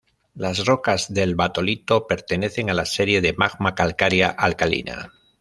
Las rocas del batolito pertenecen a la serie de magma calcárea alcalina.